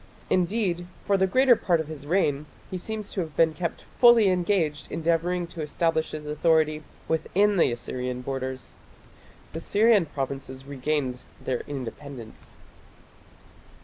Indeed for the greater part of his reign he seems to have been kept fully engaged endeavouring to establish his authority within the Assyrian borders. The Syrian provinces regained their independence.